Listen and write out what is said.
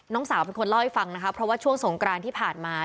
สาวเป็นคนเล่าให้ฟังนะคะเพราะว่าช่วงสงกรานที่ผ่านมา